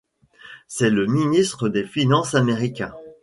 C'est le ministre des Finances américain.